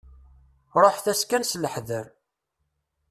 Ruḥet-as kan s leḥder.